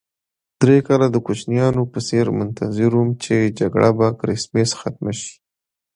درې کاله د کوچنیانو په څېر منتظر وم چې جګړه په کرېسمس ختمه شي.